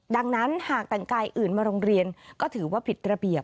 ดังนั้นหากแต่งกายอื่นมาโรงเรียนก็ถือว่าผิดระเบียบ